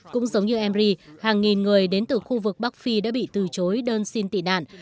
cũng giống như mry hàng nghìn người đến từ khu vực bắc phi đã bị từ chối đơn xin tị nạn